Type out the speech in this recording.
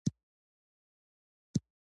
شاته سیټ ته مې مخ واړوه.